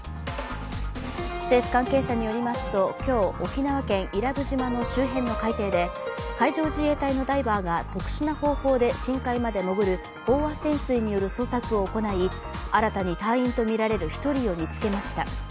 政府関係者によりますと今日沖縄県伊良部島の周辺の海底で海上自衛隊のダイバーが特殊な方法で深海まで潜る飽和潜水による捜索を行い新たに隊員とみられる１人を見つけました。